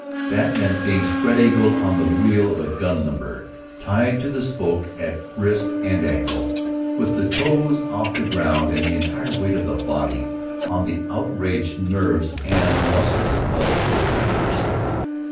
That meant being spread eagled on the wheel of a gun limber, tied to the spokes at wrist and ankle, with the toes off the ground and the entire weight of the body on the outraged nerves and muscles of those members.